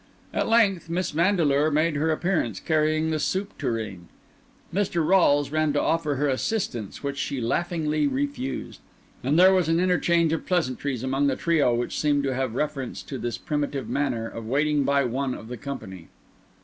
At length Miss Vandeleur made her appearance, carrying the soup tureen. Mr. Rolles ran to offer her assistance which she laughingly refused; and there was an interchange of pleasantries among the trio which seemed to have reference to this primitive manner of waiting by one of the company.